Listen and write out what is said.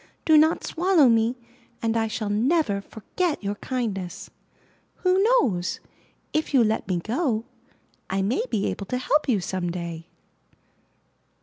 Do not swallow me and I shall never forg'et your kindness. Who knows, if you let me go, I maybe able to help you some day!